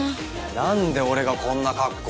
なんで俺がこんな格好を。